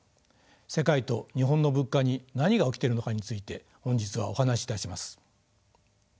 世界と日本の物価に何が起きてるのかについて本日はお話しいたします。